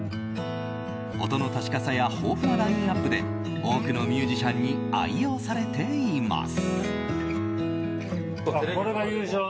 音の確かさや豊富なラインアップで多くのミュージシャンに愛用されています。